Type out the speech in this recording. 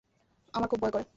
আমার খুব ভয় করে!